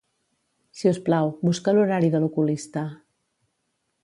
Si us plau, busca l'horari de l'oculista.